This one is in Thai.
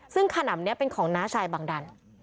ซึ่งขนำนี้เป็นของน้าชายบังดัน